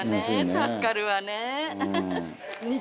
助かるわね。